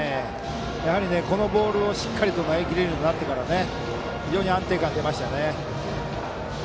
このボールをしっかり投げきれるようになってから非常に安定感が出ましたよね。